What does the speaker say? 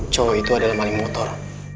cowok itu adalah maling motor